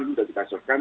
ini sudah kita siapkan